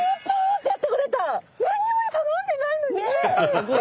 すごい！